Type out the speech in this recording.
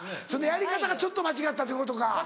そのやり方がちょっと間違ったっていうことか。